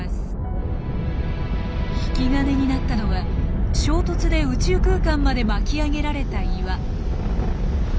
引き金になったのは衝突で宇宙空間まで巻き上げられた岩。